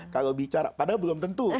kalau bicara padahal belum tentu